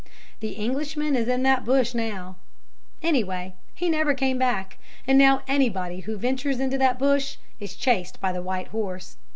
The Englishman is in that bush now; anyway, he never came back. And now anybody who ventures into that bush is chased by the white horse.